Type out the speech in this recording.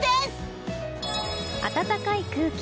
暖かい空気。